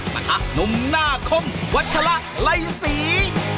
ปะทะหนุ่มหน้าคมวัชละไลศรี